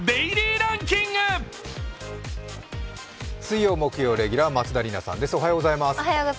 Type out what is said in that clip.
水曜、木曜レギュラー松田里奈さんです。